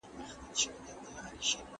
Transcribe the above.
استاد به د مقالې وروستۍ بڼه نه ګوري.